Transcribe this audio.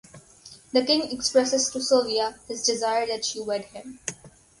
The King expresses to Sylvia his desire that she wed him.